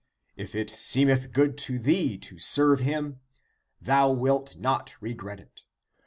If it seemeth good to thee to serve him <thou wilt not regret it.